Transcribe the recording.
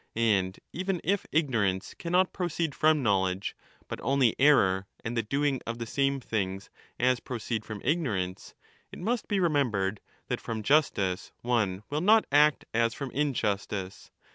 And even if ignorance cannot proceed from knowledge, but only error and the ll^: doing of the same things as ' proceed from ignorance, it must be remembered that from justice one will not act as lom injustice.